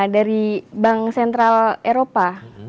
dari bank sentral eropa